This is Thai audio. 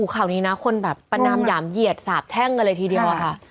ข่าวนี้นะคนแบบประนามหยามเหยียดสาบแช่งกันเลยทีเดียวค่ะ